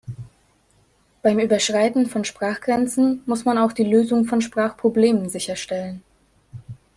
Beim Überschreiten von Sprachgrenzen muss man auch die Lösung von Sprachproblemen sicherstellen.